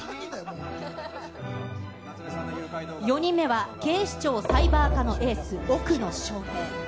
４人目は、警視庁サイバー課のエース、奥野昇平。